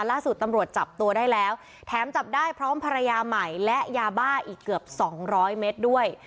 ล่าสุดตำรวจจับตัวได้แล้วแถมจับได้พร้อมภรรยาใหม่และยาบ้าอีกเกือบสองร้อยเมตรด้วย